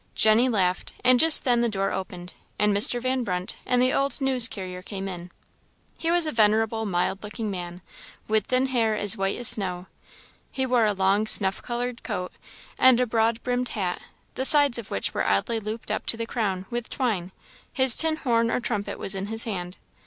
Jenny laughed; and just then the door opened, and Mr. Van Brunt and the old news carrier came in. He was a venerable, mild looking man, with thin hair as white as snow. He wore a long snuff coloured coat and a broad brimmed hat, the sides of which were oddly looped up to the crown, with twine; his tin horn or trumpet was in his hand.